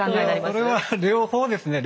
それは両方ですね。